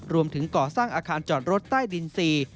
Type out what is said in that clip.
รวมถึงก่อสร้างอาคารจอดรถใต้ดินทรีย์